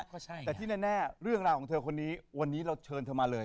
ก็ใช่แต่ที่แน่เรื่องราวของเธอคนนี้วันนี้เราเชิญเธอมาเลย